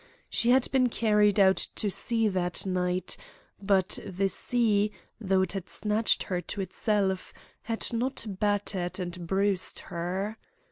She had been carried out to sea that night, but the sea, though it had snatched her to itself, had not battered and bruised her.